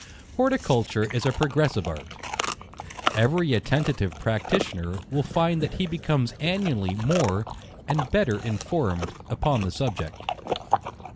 Horticulture is a progressive art. Every attentive practitioner will find that he becomes annually more and better informed upon the subject.